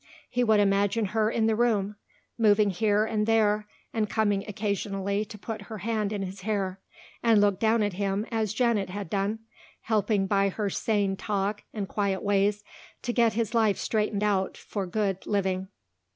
He would imagine her in the room, moving here and there, and coming occasionally to put her hand in his hair and look down at him as Janet had done, helping by her sane talk and quiet ways to get his life straightened out for good living.